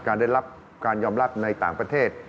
ได้รับการยอมรับในต่างประเทศ